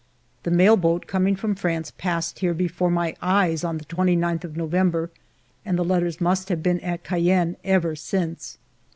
The mail boat coming from France passed here before my eyes, on the 29th of November, and the letters must have been at Cayenne ever since.